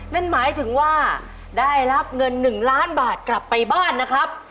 นั่นหมายถึงว่าได้รับเงิน๑ล้านบาทกลับไปบ้านนะครับ